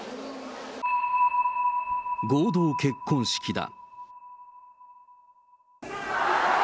合同結婚式だ。